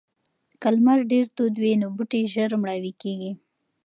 که لمر ډیر تود وي نو بوټي ژر مړاوي کیږي.